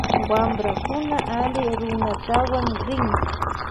Wamprakuna alli runatawan rin.